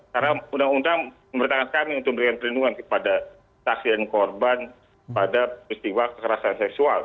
karena undang undang memberitahukan kami untuk memberikan perlindungan kepada saksilin korban pada peristiwa kekerasan seksual